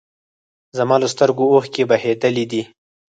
زما له سترګو اوښکې بهېدلي دي